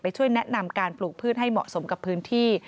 ช่วยแนะนำการปลูกพืชให้เหมาะสมกับพื้นที่